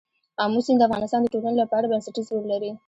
آمو سیند د افغانستان د ټولنې لپاره بنسټيز رول لري.